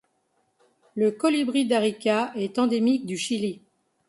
Le colibri d'Arica est endémique du Chili.